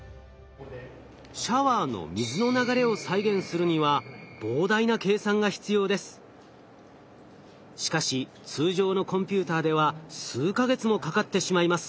シャワーの水の流れを再現するにはしかし通常のコンピューターでは数か月もかかってしまいます。